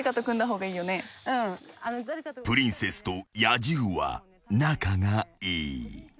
［プリンセスと野獣は仲がいい］